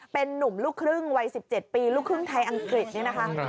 เป็นนุ่มลูกครึ่งวัย๑๗ปีลูกครึ่งไทยอังกฤษนี่นะคะ